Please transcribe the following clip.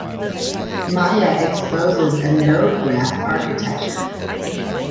Maya exposes a node graph architecture.